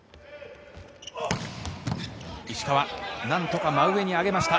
石川、何とか真上に上げました。